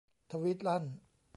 ทวีตลั่น